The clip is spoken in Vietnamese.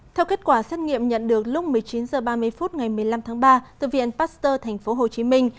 theo kết quả xét nghiệm nhận được lúc một mươi chín h ba mươi phút ngày một mươi năm tháng ba từ viện pasteur thành phố hồ chí minh